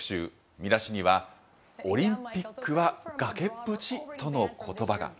見出しには、オリンピックは崖っぷち？とのことばが。